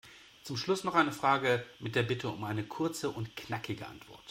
Zum Schluss noch eine Frage mit der Bitte um eine kurze und knackige Antwort.